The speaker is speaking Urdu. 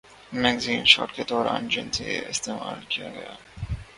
میگزین شوٹ کے دوران جنسی استحصال کیا گیا